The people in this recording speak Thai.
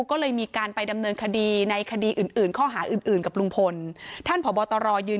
ฟังท่านเพิ่มค่ะบอกว่าถ้าผู้ต้องหาหรือว่าคนก่อเหตุฟังอยู่